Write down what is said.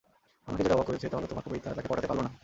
আমাকে যেটা অবাক করছে, তা হলো তোমার কবিতা তাকে পটাতে পারলো না।